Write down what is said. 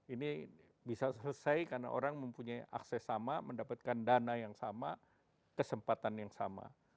ini bisa selesai karena orang mempunyai akses sama mendapatkan dana yang sama kesempatan yang sama